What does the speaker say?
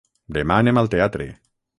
Demà anem al teatre.